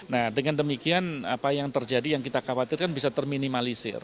nah dengan demikian apa yang terjadi yang kita khawatirkan bisa terminimalisir